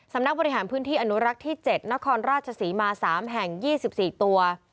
สำนักบริหารพื้นที่อนุรักษ์ที่๗นครราชศรีมา๓แห่ง๒๔ตัว